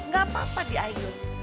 gak apa apa di aigun